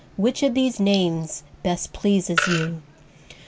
Which of these names best pleases you'?